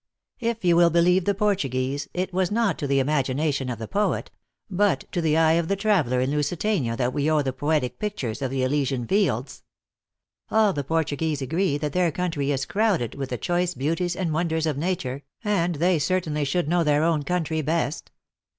If you will believe the Por tuguese, it was not to the imagination of the poet, but to the eye of the traveler in Lusitania, that we owe the poetic pictures of the Elysian fields. All the Por tuguese agree that their country is crowded with the choice beauties and wonders of nature, and they cer tainly should know their own country best.